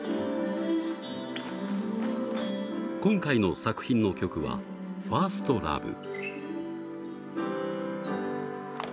今回の作品の曲は「ＦｉｒｓｔＬｏｖｅ」。